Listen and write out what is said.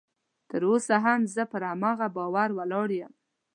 تر اوسه هم زه پر هماغه باور ولاړ یم